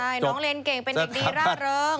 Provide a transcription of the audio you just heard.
ใช่น้องเรียนเก่งเป็นเด็กดีร่าเริง